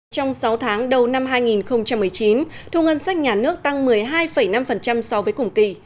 trong sáu tháng đầu năm hai nghìn một mươi chín thu ngân sách nhà nước tăng một mươi hai năm so với cùng kỳ